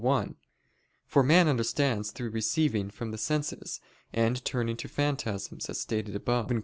1): for man understands through receiving from the senses, and turning to phantasms, as stated above (Q.